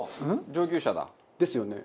上級者だ。ですよね。